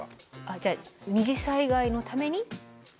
じゃあ二次災害のために帰らない？